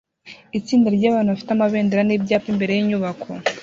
Itsinda ryabantu bafite amabendera nibyapa imbere yinyubako